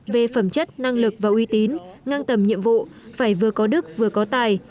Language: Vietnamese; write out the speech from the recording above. về phẩm chất năng lực và uy tín ngang tầm nhiệm vụ phải vừa có đức vừa có tài